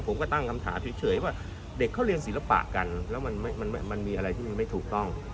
ผมก็ตั้งคำถามเฉยว่าเด็กเขาเรียนศิลปะกันแล้วมันมีอะไรที่มันไม่ถูกต้อง